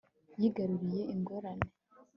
Yigaruriye ingorane